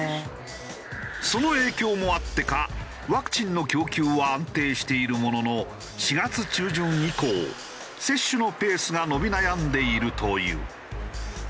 その影響もあってかワクチンの供給は安定しているものの４月中旬以降接種のペースが伸び悩んでいるという。